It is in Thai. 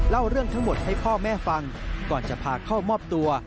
เล่าเรื่องทั้งหมดให้พ่อแม่ฟังก่อนจะพาเข้ามอบตัว